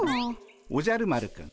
おじゃる丸くん